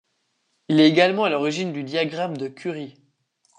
Il est également à l'origine du diagramme de Kurie.